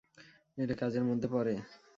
এটা কাজের মধ্যে পড়ে!